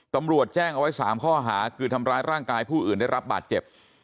ตำรวจแจ้งเอาไว้๓ข้อหาคือทำร้ายร่างกายผู้อื่นได้รับบาดเจ็บ